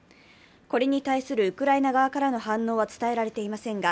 これに対するウクライナ側からの反応は伝えられていませんが